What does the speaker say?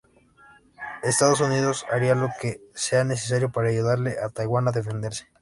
Estados Unidos hará lo que sea necesario para ayudar a Taiwan a defenderse".